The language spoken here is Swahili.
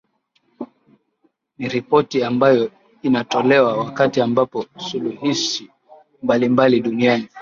niripoti ambayo inatolewa wakati ambapo suluhishi mbalimbali duniani